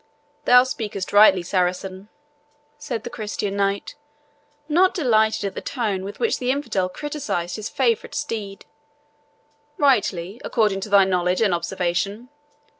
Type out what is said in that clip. "Thou speakest rightly, Saracen," said the Christian knight, not delighted at the tone with which the infidel criticized his favourite steed "rightly, according to thy knowledge and observation.